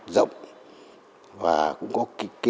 rộng và cũng có